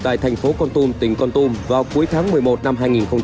tại thành phố con tùm tỉnh con tùm vào cuối tháng một mươi một năm hai nghìn hai mươi một